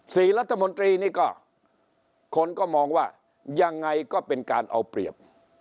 รัฐมนตรีนี่ก็คนก็มองว่ายังไงก็เป็นการเอาเปรียบ